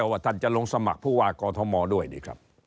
ว่าท่านจะลงสมัครผู้ว่ากอทมด้วยนี่ครับ